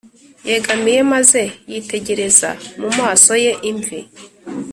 yegamiye maze yitegereza mu maso ye imvi,